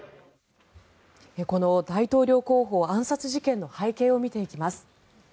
この大統領候補暗殺事件の背景を見ていきます。